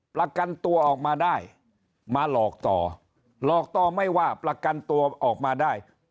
ประกันตัวออกมาได้มาหลอกต่อหลอกต่อไม่ว่าประกันตัวออกมาได้